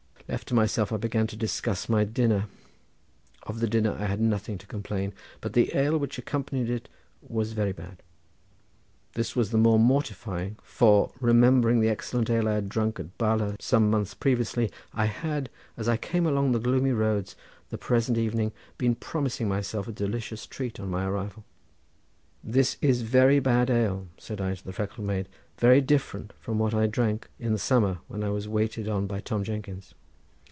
Left to myself I began to discuss my dinner. Of the dinner I had nothing to complain, but the ale which accompanied it was very bad. This was the more mortifying, for remembering the excellent ale I had drunk at Bala some months previously I had, as I came along the gloomy roads the present evening, been promising myself a delicious treat on my arrival. "This is very bad ale!" said I to the freckled maid, "very different from what I drank in the summer, when I was waited on by Tom Jenkins."